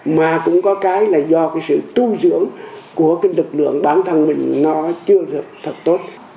mà cũng có cái là do cái sự tu dưỡng của cái lực lượng bản thân mình nó chưa thật tốt